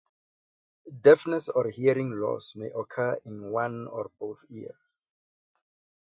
Deafness or hearing loss may occur in one or both ears.